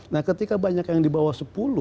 nah ketika banyak yang di bawah sepuluh